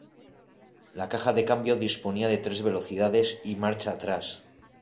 La caja de cambio disponía de tres velocidades y marcha atrás.